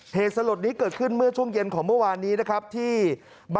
เหตุสลดนี้เกิดขึ้นเมื่อช่วงเย็นของเมื่อวานนี้นะครับที่